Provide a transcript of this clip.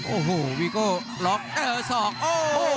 โอ้โหวีโก้หลอกเอ่อสองโอ้โห